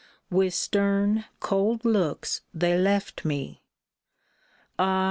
With stern, cold looks they left me. Ah !